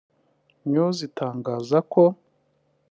News itangaza ko